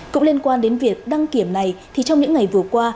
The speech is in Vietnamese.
cũng liên quan đến việc đăng kiểm này thì trong những ngày vừa qua